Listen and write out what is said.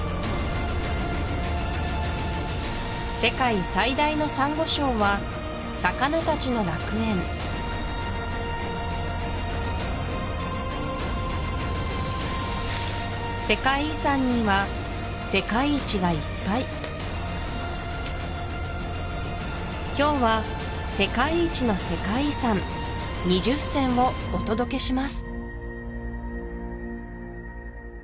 世界最大のサンゴ礁は魚たちの楽園世界遺産には世界一がいっぱい今日は世界一の世界遺産２０選をお届けします